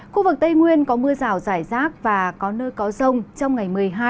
khu vực tây nguyên có mưa rào rải rác và có nơi có rông trong ngày một mươi hai